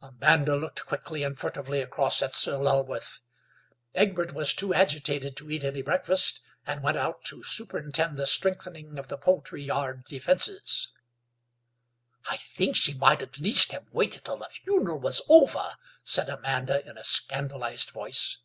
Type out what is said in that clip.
Amanda looked quickly and furtively across at Sir Lulworth. Egbert was too agitated to eat any breakfast, and went out to superintend the strengthening of the poultry yard defences. "I think she might at least have waited till the funeral was over," said Amanda in a scandalised voice.